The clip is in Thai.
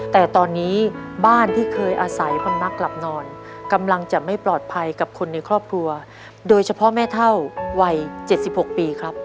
แต่ตอนนี้บ้านที่เคยอาศัยพำนักหลับนอนกำลังจะไม่ปลอดภัยกับคนในครอบครัวโดยเฉพาะแม่เท่าวัย๗๖ปีครับ